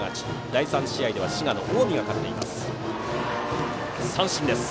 第３試合では滋賀の近江が勝っています。